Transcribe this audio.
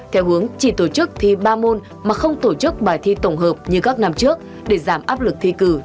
theo hướng chỉ tổ chức thi ba môn mà không tổ chức bài thi tổng hợp như các năm trước để giảm áp lực thi cử